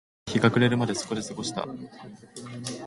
僕らは日が暮れるまでそこで過ごした